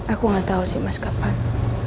aku gak tau sih mas kapan